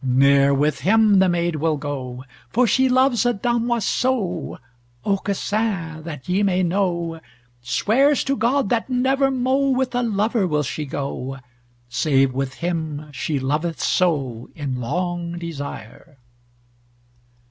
Ne'er with him the maid will go, For she loves a damoiseau, Aucassin, that ye may know, Swears to God that never mo With a lover will she go Save with him she loveth so In long desire."